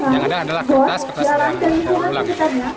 yang ada adalah kertas kertas yang berulang